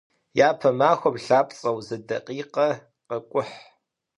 Япэ махуэм лъапцӀэу зы дакъикъэ къэкӀухь.